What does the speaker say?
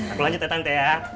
aku lanjut ya tante ya